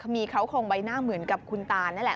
เขามีเคราะห์โครงใบหน้าเหมือนกับคุณตานั่นแหละ